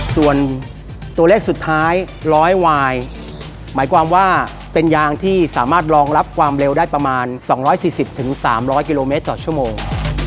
ส่วนตัวเลขสุดท้ายร้อยวายหมายความว่าเป็นยางที่สามารถรองรับความเร็วได้ประมาณสองร้อยสี่สิบถึงสามร้อยกิโลเมตรต่อชั่วโมง